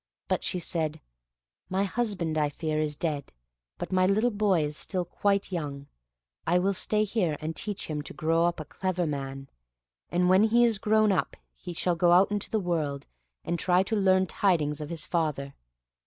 But she said, "My husband, I fear, is dead, but my little boy is still quite young; I will stay here and teach him to grow up a clever man, and when he is grown up he shall go out into the world, and try and learn tidings of his father.